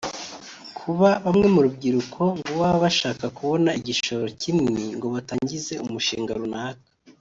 Kuba bamwe mu rubyiruko ngo baba bashaka kubona igishoro kinini ngo batangize umushinga runaka